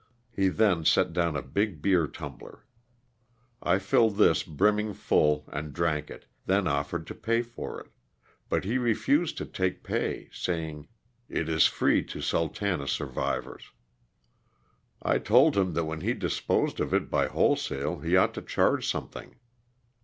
He then set down a big beer tumbler. I filled thia brimming full and drank it, then offered to pay for it, but he refused to take pay, saying " it is free to * Sul tana* survivors." I told him that when he disposed of it by wholesale he ought to charge something.